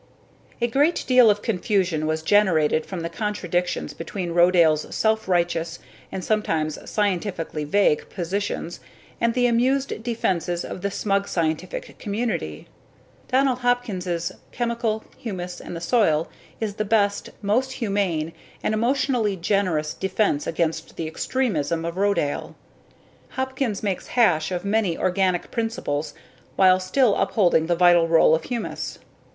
A great deal of confusion was generated from the contradictions between Rodale's self righteous and sometimes scientifically vague positions and the amused defenses of the smug scientific community. Donald Hopkins' Chemicals, Humus and the Soil is the best, most humane, and emotionally generous defense against the extremism of Rodale. Hopkins makes hash of many organic principles while still upholding the vital role of humus.